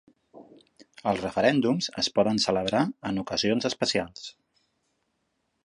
Els referèndums es poden celebrar en ocasions especials.